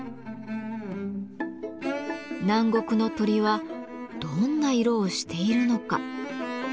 南国の鳥はどんな色をしているのか。